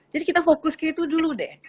jadi kita fokus ke itu dulu deh